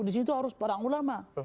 di situ harus para ulama